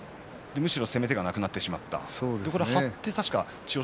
むしろ攻め手がなくなってしまった張って千代翔